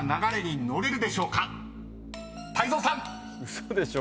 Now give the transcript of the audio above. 嘘でしょ。